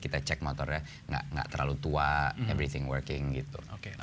kita cek motornya nggak terlalu tua everything working gitu